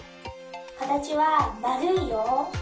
かたちはまるいよ。